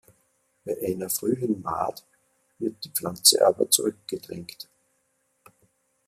Bei einer frühen Mahd wird die Pflanze aber zurückgedrängt.